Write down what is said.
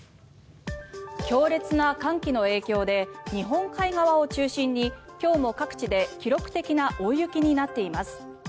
強烈な寒気の影響で日本海側を中心に今日も各地で記録的な大雪になっています。